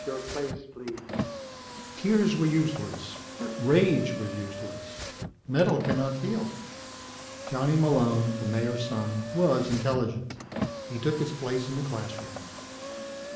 "You will take your place, please." Tears were useless. Rage was useless. Metal cannot feel. Johnny Malone, the Mayor's son, was intelligent. He took his place in the classroom.